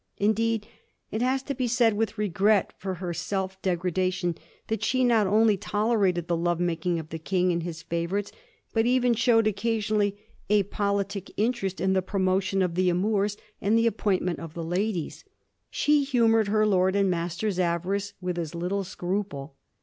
Indeed, it has to be said with regret for her self degradation, that she not only tolerated the love makings of the King and his favour ites, but even showed occasionally a politic interest in Digiti zed by Google 1727 'COMPTON'S EVAPORATION.' 365 the promotion of the amours and the appointment of the ladies. She humoured her lord and master's avarice with as little scruple.